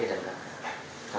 jadi rekor sekarang terserah